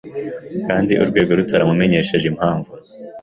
kandi urwego rutaramumenyesheje impamvu